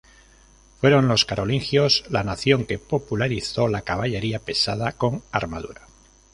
Fueron los carolingios la nación que popularizó la caballería pesada con armadura.